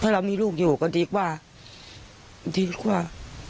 ถ้าเรามีลูกอยู่ก็ดีกว่าดีกว่า